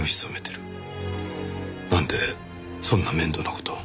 なんでそんな面倒な事を？